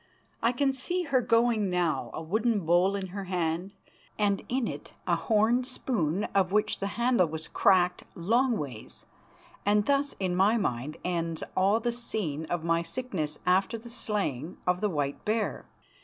I can see her going now, a wooden bowl in her hand, and in it a horn spoon of which the handle was cracked longways, and thus in my mind ends all the scene of my sickness after the slaying of the white bear.